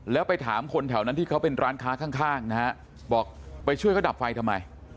แล้วไปถามคนแถวนั้นที่เขาเป็นร้านค้าข้างนะฮะบอกไปช่วยเขาดับไฟทำไม